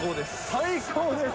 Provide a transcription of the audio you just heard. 最高です。